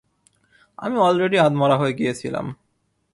আমি অলরেডি আধমরা হয়ে গিয়েছিলাম।